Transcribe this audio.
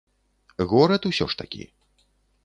Горад усё ж такі.